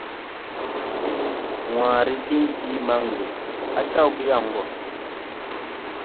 Wããre diŋ bii mange, a taw ge yaŋ go.